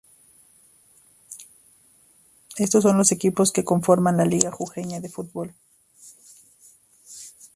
Éstos son los equipos que conforman la Liga Jujeña de fútbol.